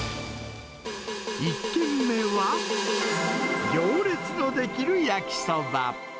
１軒目は、行列の出来る焼きそば。